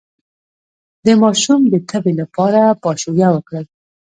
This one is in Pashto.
د ماشوم د تبې لپاره پاشویه وکړئ